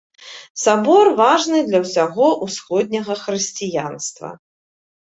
Сабор важны для ўсяго ўсходняга хрысціянства.